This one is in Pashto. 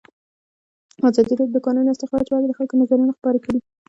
ازادي راډیو د د کانونو استخراج په اړه د خلکو نظرونه خپاره کړي.